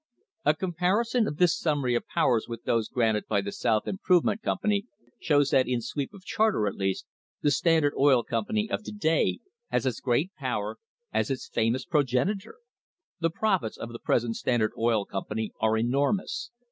* A comparison of this summary of powers with those granted by the South Improvement Company shows that in sweep of charter, at least, the Standard Oil Company of to day has as great power as its famous progenitor.! The profits of the present Standard Oil Company are enor mous.